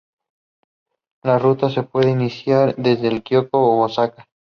La ruta se puede iniciar desde Kioto u Osaka.